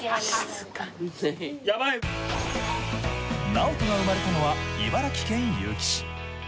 Ｎａｏｔｏが生まれたのは茨城県結城市。